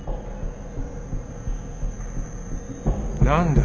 何だ？